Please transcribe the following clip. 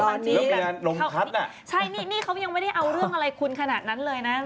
ตอนนี้ใช่นี่เขายังไม่ได้เอาเรื่องอะไรคุณขนาดนั้นเลยนะ